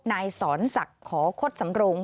นายศรษักขอคดสำรง